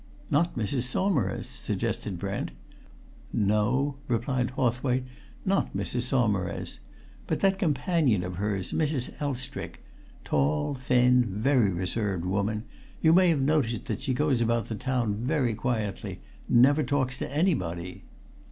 "Not Mrs. Saumarez?" suggested Brent. "No," replied Hawthwaite. "Not Mrs. Saumarez. But that companion of hers, Mrs. Elstrick. Tall, thin, very reserved woman; you may have noticed that she goes about the town very quietly never talks to anybody."